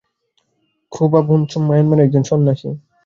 ক্রুবা বুনচুম মায়ানমারের একজন সন্যাসী।